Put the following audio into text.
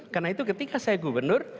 karena itu ketika saya gubernur